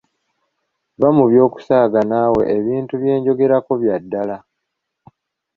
Vva mu by’okusaaga naawe ebintu byenjogerako bya ddala.